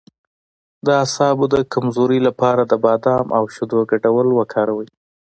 د اعصابو د کمزوری لپاره د بادام او شیدو ګډول وکاروئ